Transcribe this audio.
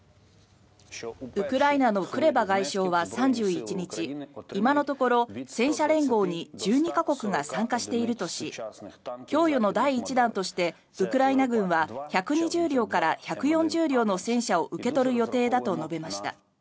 ウクライナのクレバ外相は３１日今のところ戦車連合に１２か国が参加しているとし供与の第１弾としてウクライナ軍は１２０両から１４０両の戦車を受け取る予定だと述べました。